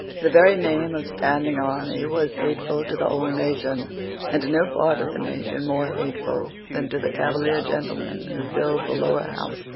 The very name of standing army was hateful to the whole nation, and to no part of the nation more hateful than to the Cavalier gentlemen who filled the Lower House.